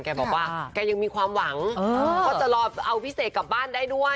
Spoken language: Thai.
แกบอกว่าแกยังมีความหวังก็จะรอเอาพี่เสกกลับบ้านได้ด้วย